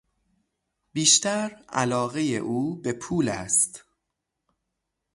بیشتر علاقهی او به پول است.